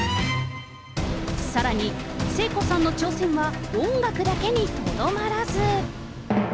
さらに、聖子さんの挑戦は音楽だけにとどまらず。